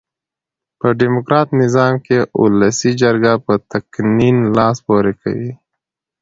په ډیموکرات نظام کښي اولسي جرګه په تقنين لاس پوري کوي.